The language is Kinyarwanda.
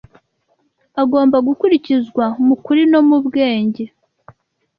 agomba gukurikizwa mu kuri no mu bwenge,